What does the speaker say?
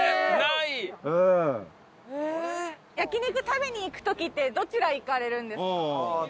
食べに行く時ってどちらへ行かれるんですか？